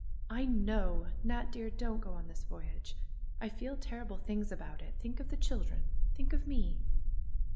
I know ! Nat, dear, don't go on this voyage I I feel terrible things about it. Think of the children ! Think of me!"